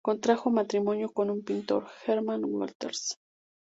Contrajo matrimonio con un pintor Herman Wolters.